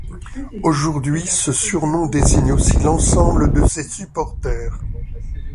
Aujourd'hui ce surnom désigne aussi l'ensemble de ses supporters.